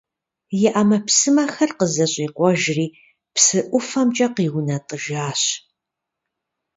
И Ӏэмэпсымэхэр къызэщӀикъуэжри, псы ӀуфэмкӀэ къиунэтӀыжащ.